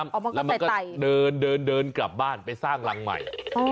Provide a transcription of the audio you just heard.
อ๋อมันก็ใส่ไต่แล้วมันก็เดินเดินเดินกลับบ้านไปสร้างรังใหม่